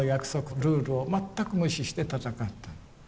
ルールを全く無視して戦った。